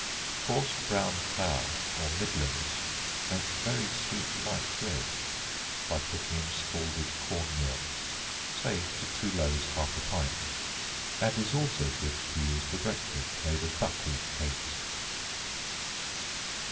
Coarse brown flour or middlings makes very sweet light bread, by putting in scalded corn meal, say, to two loaves, half a pint, and is also good to use for breakfast made as buckwheat cakes.